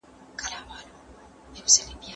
هغه له یو ساده ځوان څخه یو هوښیار انسان ته بدل شو.